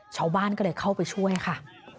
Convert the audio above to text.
ชาวบ้านก็เลยเข้าไปช่วยค่ะ